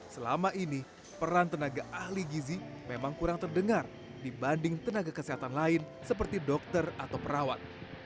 selama ini peran tenaga ahli gizi memang kurang terdengar dibanding tenaga kesehatan lain seperti dokter atau perawat